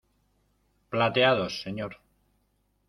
plateados, señor.